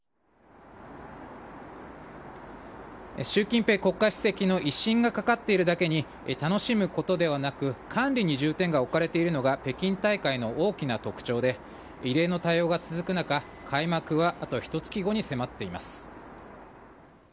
習近平国家主席の威信がかかっているだけに、楽しむことではなく、管理に重点が置かれているのが北京大会の大きな特徴で、異例の対応が続く中、開幕はあとひとつき後に迫っています。